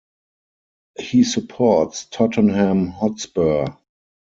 He supports Tottenham Hotspur.